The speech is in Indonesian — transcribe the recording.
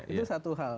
itu satu hal